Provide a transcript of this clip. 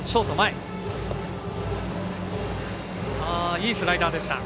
いいスライダーでした。